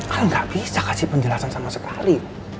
al gak bisa kasih penjelasan sama sekali